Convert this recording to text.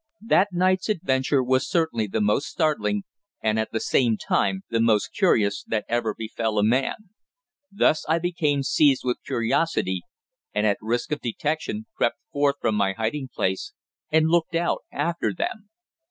That night's adventure was certainly the most startling, and at the same time the most curious, that ever befel a man. Thus I became seized with curiosity, and at risk of detection crept forth from my hiding place and looked out after them.